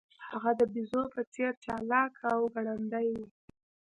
هغه د بیزو په څیر چلاک او ګړندی و.